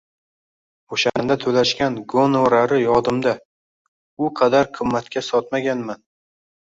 Oʻshanda toʻlashgan gonorari yodimda, u qadar qimmatga sotmaganman.